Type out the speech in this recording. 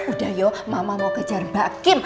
udah yuk mama mau kejar mbak kim